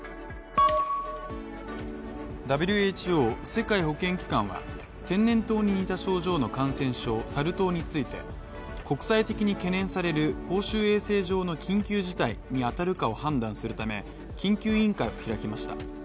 ＷＨＯ＝世界保健機関は、天然痘に似た症状の感染症サル痘について国際的に懸念される公衆衛生上の緊急事態に当たるかを判断するため緊急委員会を開きました。